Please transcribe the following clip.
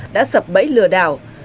đã sập bẫy lừa đảo